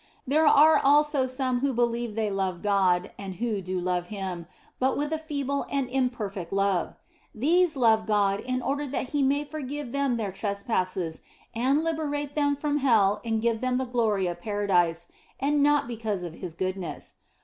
There are also some who believe they love God, and who do love Him, but with a feeble and imperfect love. These love God in order that He may forgive them their trespasses and liberate them from hell and give them the glory of Paradise, and not because of His goodness.